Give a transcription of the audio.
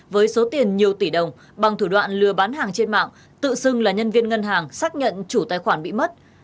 với số tiền nhiều tỷ đồng bằng thủ đoạn lừa bán hàng trên mạng tự xưng là nhân viên ngân hàng xác nhận chủ tài khoản bị mất